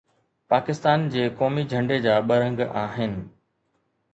پاڪستان جي قومي جهنڊي جا ٻه رنگ آهن